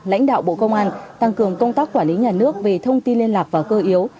lãnh đạo bộ công an tăng cường công tác quản lý nhà nước về thông tin liên lạc và cơ yếu